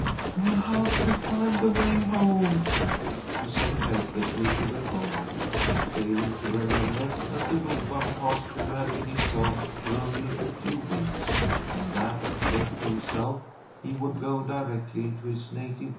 "You'll have to find the way home," she said, helplessly, to the pony, failing to remember that the Wigwam pasture had been his home for only a few weeks, and that, left to himself, he would go directly to his native ranch.